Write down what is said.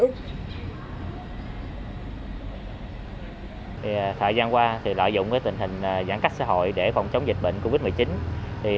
năm đối tranh qua lợi dụng tình hình giãn cách xã hội để phòng chống dịch bệnh covid một mươi chín